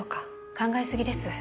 考え過ぎです。